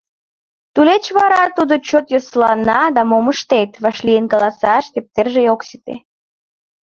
Тулеч вара тудо чот йӧслана да, мом ыштет, вашлийын каласаш тептерже ок сите.